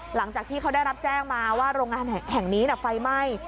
หลังจากที่เขาได้รับแจ้งมาว่าโรงงานแห่งนี้ไฟไหม้